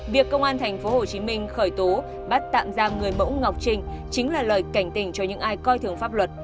việc công an thành phố hồ chí minh khởi tố bắt tạm giam người mẫu ngọc trinh chính là lời cảnh tình cho những ai coi thường pháp luật